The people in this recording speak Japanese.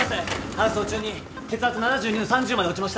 搬送中に血圧７２の３０まで落ちました。